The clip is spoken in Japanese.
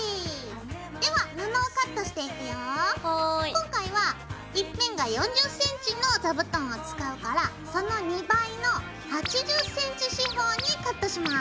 今回は１辺が４０ｃｍの座布団を使うからその２倍の８０ｃｍ四方にカットします。